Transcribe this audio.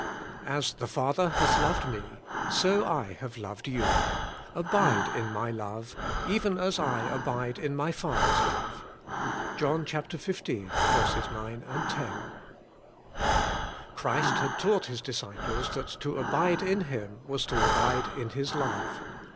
*As the Father hath loved me, so I have loved you. Abide in my love, even as I abide in my Father's love. '— John xv. 9, 10. CHRIST had taught His disciples that to abide in Him was to abide in His love.